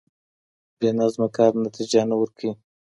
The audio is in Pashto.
بې نظمه کار نتيجه نه ورکوي.